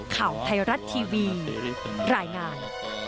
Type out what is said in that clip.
ข่าวไทยรัฐทีวีรายงาน